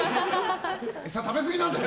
餌食べすぎなんだよ！